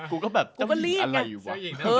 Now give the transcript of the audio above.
กูก็แบบเจ้าหญิงอะไรวะ